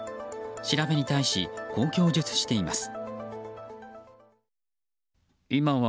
調べに対し、こう供述しています。